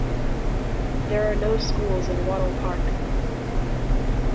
There are no schools in Wattle Park.